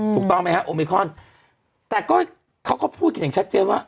ถูกต้องไหมฮะโอมิคอนแต่ก็เขาก็พูดกันอย่างชัดเจนว่า